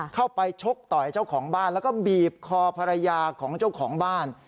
เข้าไปชกต่อยเจ้าของบ้านแล้วก็บีบคอภรรยาของเจ้าของบ้าน